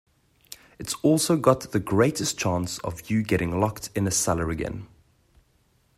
It's also got the greatest chance of you getting locked in a cellar again.